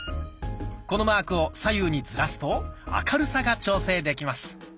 このマークを左右にずらすと明るさが調整できます。